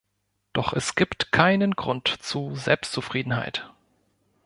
Doch es gibt keinen Grund zu Selbstzufriedenheit.